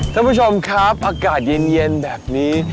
ท่านผู้ชมครับอากาศเย็นแบบนี้